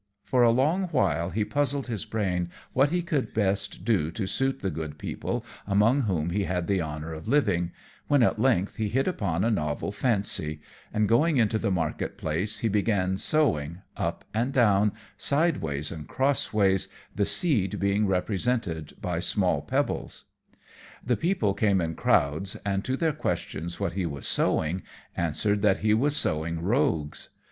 For a long while he puzzled his brain what he could best do to suit the good people among whom he had the honour of living, when, at length, he hit upon a novel fancy, and, going into the market place, he began sowing, up and down, sideways and crossways, the seed being represented by small pebbles. The people came in crowds, and to their questions what he was sowing, answered that he was sowing rogues.